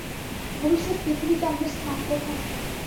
ভবিষ্যত পৃথিবীতে আমাদের স্থান কোথায়?